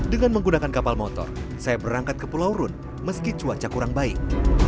dengan menggunakan kapal motor saya berangkat ke pulau rune meski cuaca kurang baik